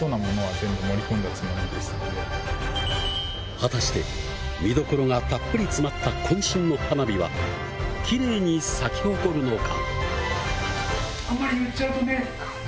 果たして、見所がたっぷり詰まった渾身の花火は、きれいに咲き誇るのか。